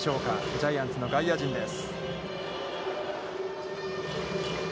ジャイアンツの外野陣です。